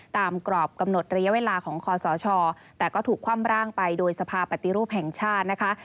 กรอบกำหนดระยะเวลาของคอสชแต่ก็ถูกคว่ำร่างไปโดยสภาปฏิรูปแห่งชาตินะคะ